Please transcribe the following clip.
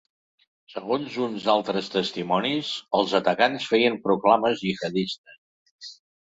Segons uns altres testimonis, els atacants feien proclames gihadistes.